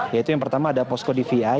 yaitu yang pertama ada posko dvi